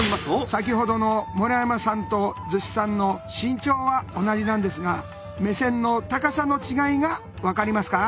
先ほどの村山さんと厨子さんの身長は同じなんですが目線の高さの違いが分かりますか？